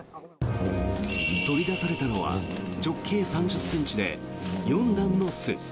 取り出されたのは直径３０ｃｍで４段の巣。